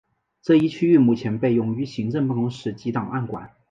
这一区域目前被用于行政办公室及档案馆。